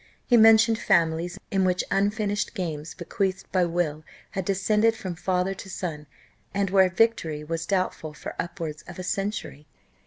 He mentioned families, in which unfinished games, bequeathed by will, had descended from father to son, and where victory was doubtful for upwards of a century.